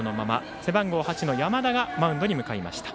背番号８の山田がマウンドに向かいました。